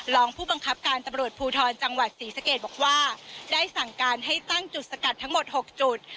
รองผู้บังคับการตำรวจภูทรจังหวัดศรีสะเกดบอกว่าได้สั่งการให้ตั้งจุดสกัดทั้งหมด๖จุด